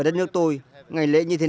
ở đất nước tôi ngày lễ như thế nào